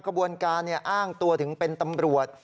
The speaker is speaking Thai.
กระบวนการอ้างตัวถึงเป็นตำรวจ